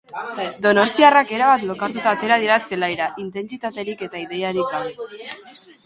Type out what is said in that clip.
Donostiarrak erabat lokartuta atera dira zelaira, intentsitaterik eta ideiarik gabe.